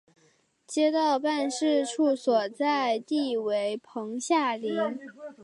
街道办事处所在地为棚下岭。